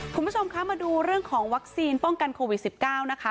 คุณผู้ชมคะมาดูเรื่องของวัคซีนป้องกันโควิด๑๙นะคะ